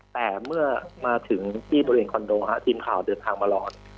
แต่เมื่อมาถึงที่บริเวณคอนโดทีมข่าวเดินทางมารอ